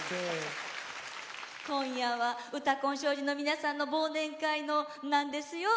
今夜はうたコン商事の皆さんの忘年会なんですよ。